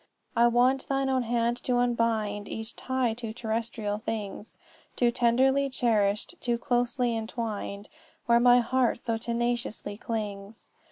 "'I want thine own hand to unbind Each tie to terrestrial things, Too tenderly cherished, too closely entwined, Where my heart so tenaciously clings.